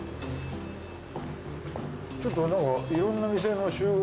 ちょっとなんかいろんな店の集合。